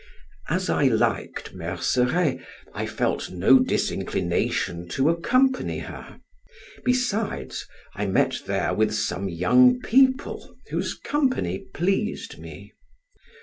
As I liked Merceret, I felt no disinclination to accompany her; besides I met there with some young people whose company pleased me.